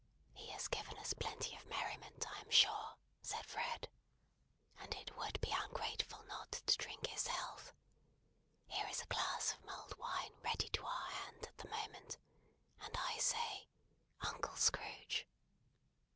"He has given us plenty of merriment, I am sure," said Fred, "and it would be ungrateful not to drink his health. Here is a glass of mulled wine ready to our hand at the moment; and I say, 'Uncle Scrooge!'"